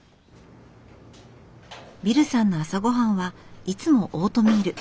ビルさんの朝ごはんはいつもオートミール。